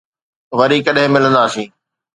وري ڪڏھن ملنداسين.